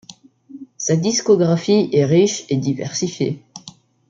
Sa discographie est riche et diversifiée.